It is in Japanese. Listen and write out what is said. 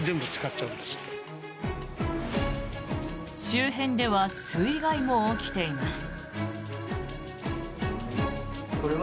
周辺では水害も起きています。